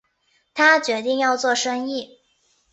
他决定要做生意